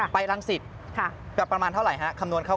ไปลังศิษฐ์แบบประมาณเท่าไหร่ฮะคำนวณคร่าว